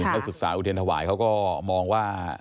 นักศึกษาอุเทรนธวายเขาก็มองว่า